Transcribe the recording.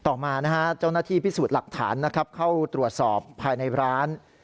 ต่อมานะฮะเจ้าหน้าที่พิสูจน์หลักฐานนะครับเข้าตรวจสอบภายในร้าน